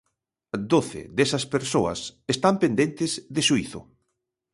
Doce desas persoas están pendentes de xuízo.